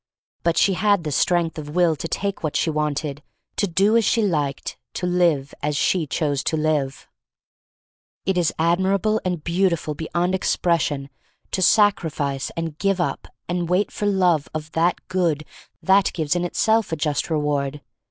But she had the strength of will to take what she wanted, to do as she liked, to live as she chose to live. THE STORY OF MARY MAC LANE 223 It IS admirable and beautiful beyond expression to sacrifice and give up and wait for love of that good that gives in Itself a just reward.